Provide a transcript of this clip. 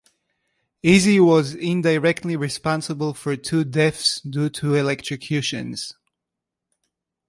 Easy was indirectly responsible for two deaths due to electrocutions.